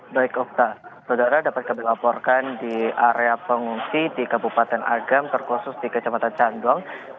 baik okta saudara dapat kami laporkan di area pengungsi di kabupaten agam terkhusus di kecamatan candong